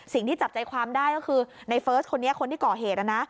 สิ่งที่จับใจความได้ก็คือในเฟิร์สคนนี้คนที่ก่อเหตุนะนะ